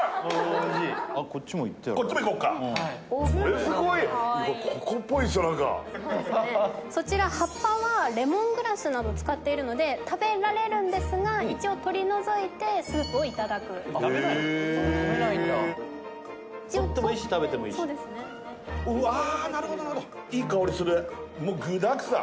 何かそちら葉っぱはレモングラスなど使っているので食べられるんですが一応取り除いてスープをいただくへえ食べないんだ取ってもいいし食べてもいい一応取ってそうですねうわ